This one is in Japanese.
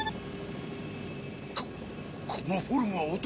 ここのフォルムは男！